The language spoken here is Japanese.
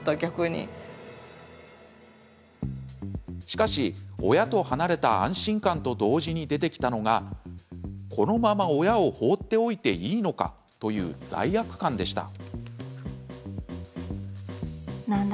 しかし、親と離れた安心感と同時に出てきたのがこのまま親を放っておいていいのかという罪悪感でした。